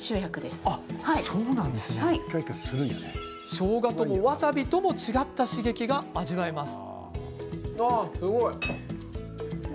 しょうがとも、わさびとも違った刺激が味わえます。